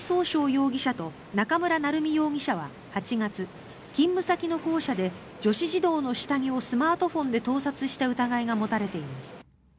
容疑者と中村成美容疑者は８月勤務先の校舎で女子児童の下着をスマートフォンで盗撮した疑いが持たれています。